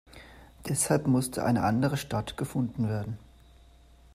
Deshalb musste eine andere Stadt gefunden werden.